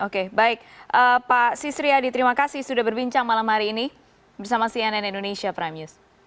oke baik pak sisri adi terima kasih sudah berbincang malam hari ini bersama cnn indonesia prime news